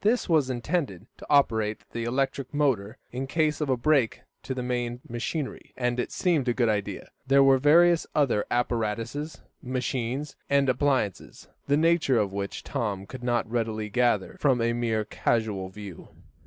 This was intended to operate the electric motor in case of a break to the main machinery, and it seemed a good idea. There were various other apparatuses, machines, and appliances, the nature of which Tom could not readily gather from a mere casual view.